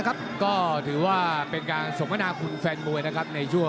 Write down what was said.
ก็ถือว่าเป็นการสงสัญคุณแฟนมวยในช่วงส่วนด้านสุด